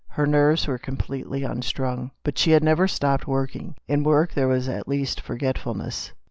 Her nerves were com pletely unstrung, but she had never stopped working. In work there was at least forget fulness.